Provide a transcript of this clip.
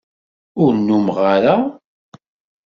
Ur numeɣ ara.